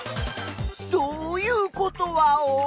どういうことワオ？